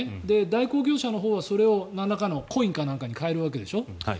代行業者のほうはそれをなんらかのコインかなんかに換えるわけでしょ。